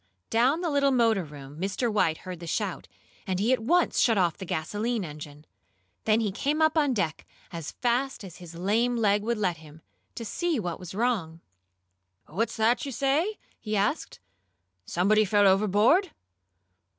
Down in the little motor room Mr. White heard the shout, and he at once shut off the gasoline engine. Then he came up on deck as fast as his lame leg would let him, to see what was wrong. "What's that you say?" he asked. "Somebody fell overboard?"